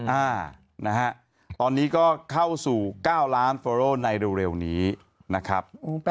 อ่านะฮะตอนนี้ก็เข้าสู่๙ล้านโฟโรในเร็วนี้นะครับ